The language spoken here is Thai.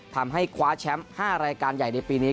ทำให้คว้าแชมป์๕รายการใหญ่ในปีนี้